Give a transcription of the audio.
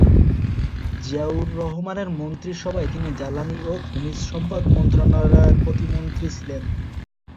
জিয়াউর রহমানের মন্ত্রিসভায় তিনি জ্বালানি ও খনিজ সম্পদ মন্ত্রণালয়ের প্রতিমন্ত্রী ছিলেন।